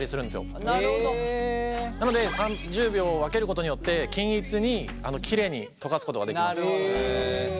なので３０秒を分けることによって均一にきれいに溶かすことができます。